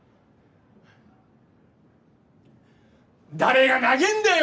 誰が投げんだよ！